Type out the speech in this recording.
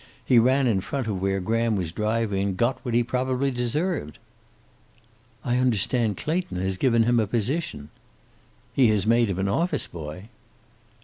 He ran in front of where Graham was driving and got what he probably deserved." "I understand Clayton has given him a position." "He has made him an office boy."